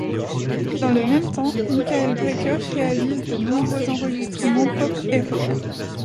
Dans le même temps, Michael Brecker réalise de nombreux enregistrements pop et rock.